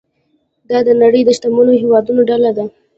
دا د نړۍ د شتمنو هیوادونو ډله ده.